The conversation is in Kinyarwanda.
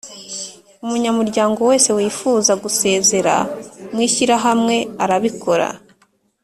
Umunyamuryango wese wifuza gusezera mu ishyirahamwe arabikora